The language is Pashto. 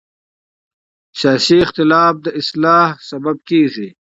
سیاسي اختلاف د اصلاح لامل کېږي